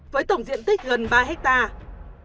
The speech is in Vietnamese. với tổng diện tích gần ba hectare